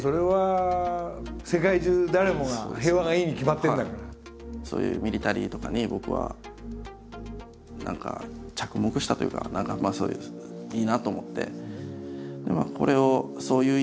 たぶんそれはそういうミリタリーとかに僕は何か着目したというか何かいいなと思って。